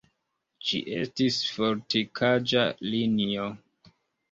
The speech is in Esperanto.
Ĝi estis fortikaĵa linio.